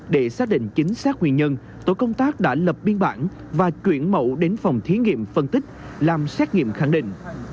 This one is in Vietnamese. để xác định chính xác nguyên nhân tổ công tác đã lập biên bản và chuyển mẫu đến phòng thí nghiệm phân tích làm xét nghiệm khẳng định